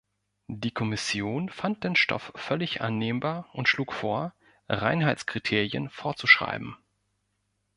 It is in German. Die Kommission fand den Stoff völlig annehmbar und schlug vor, Reinheitskriterien vorzuschreiben.